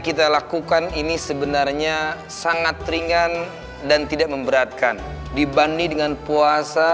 kita lakukan ini sebenarnya sangat ringan dan tidak memberatkan dibanding dengan puasa